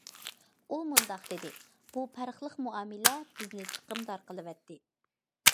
ئۇ مۇنداق دېدى: بۇ پەرقلىق مۇئامىلە بىزنى چىقىمدار قىلىۋەتتى.